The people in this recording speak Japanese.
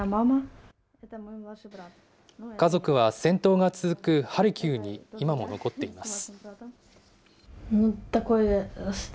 家族は戦闘が続くハルキウに今も残っています。